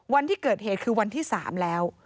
วันที่เกิดเหตุคือวันที่๓แล้ว